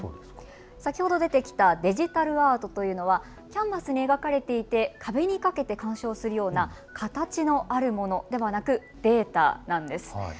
先ほど出てきたデジタルアートというのはキャンパスに描かれていて壁にかけて鑑賞するような形のあるものではなくデータなんです。